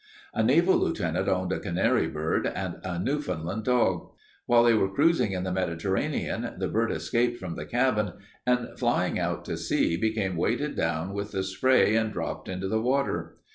"A naval lieutenant owned a canary bird and a Newfoundland dog. While they were cruising in the Mediterranean, the bird escaped from the cabin and, flying out to sea, became weighted down with the spray and dropped into the water.